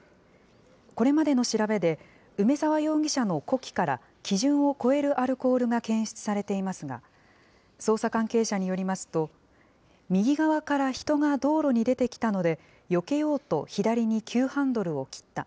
これまでの調べで、梅澤容疑者の呼気から基準を超えるアルコールが検出されていますが、捜査関係者によりますと、右側から人が道路に出てきたので、よけようと左に急ハンドルを切った。